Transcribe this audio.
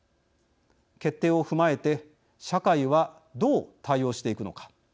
決定を踏まえて社会はどう対応していくのか。